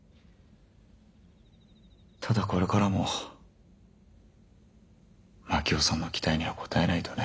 ただこれからも真樹夫さんの期待には応えないとね。